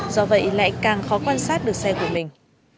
do vậy lại càng khó quan sát được xe của mình